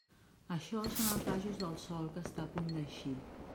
Això són els rajos del sol que està a punt d'eixir.